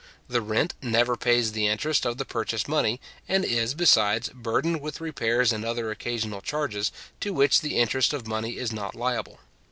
The rent never pays the interest of the purchase money, and is, besides, burdened with repairs and other occasional charges, to which the interest of money is not liable.